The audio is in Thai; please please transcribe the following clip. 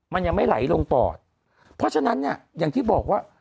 มันยังไม่ไหลลงปอดเพราะฉะนั้นเนี่ยอย่างที่บอกว่า